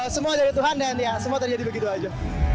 semua dari tuhan dan ya semua terjadi begitu aja